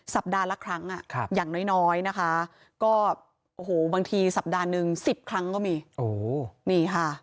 สัปดาห์ละครั้งอย่างน้อยนะคะสัปดาห์หนึ่งสิบครั้งก็มี